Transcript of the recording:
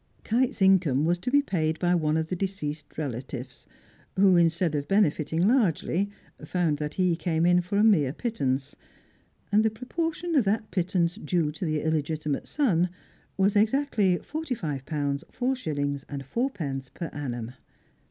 Kite's income was to be paid by one of the deceased's relatives, who, instead of benefiting largely, found that he came in for a mere pittance; and the proportion of that pittance due to the illegitimate son was exactly forty five pounds, four shillings, and fourpence per annum.